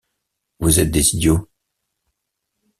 Vous êtes des idiots.